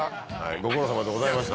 ご苦労さまでございました。